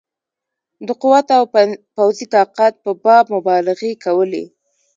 د قوت او پوځي طاقت په باب مبالغې کولې.